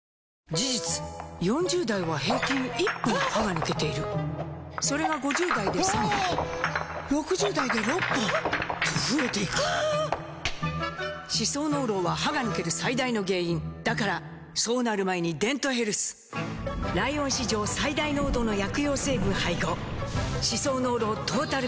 事実４０代は平均１本歯が抜けているそれが５０代で３本６０代で６本と増えていく歯槽膿漏は歯が抜ける最大の原因だからそうなる前に「デントヘルス」ライオン史上最大濃度の薬用成分配合歯槽膿漏トータルケア！